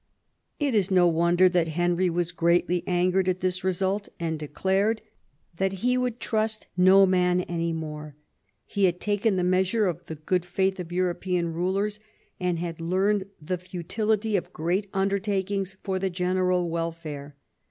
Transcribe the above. It is no wonder that Henry was greatly angered at this result, and declared that he would trust no man any more. He had taken the measure of the good faith of European rulers, and had learned the futility of great undertakings for the general welfare.